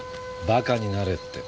バカになれって。